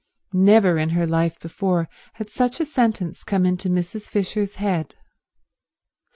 Never in her life before had such a sentence come into Mrs. Fisher's head.